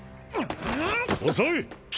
遅い！